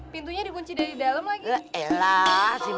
pintunya dikunci dari dalam lagi